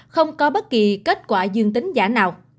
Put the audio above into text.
không có bất kỳ kết quả dương tính giả nào